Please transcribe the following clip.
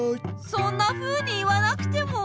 そんなふうに言わなくても。